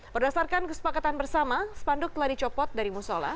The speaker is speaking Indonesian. berdasarkan kesepakatan bersama spanduk telah dicopot dari musola